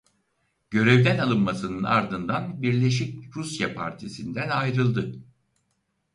Görevden alınmasının ardından Birleşik Rusya partisinden ayrıldı.